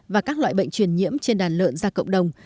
và các loại bệnh truyền nhiễm trên đàn lợn ra cộng đồng